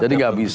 jadi gak bisa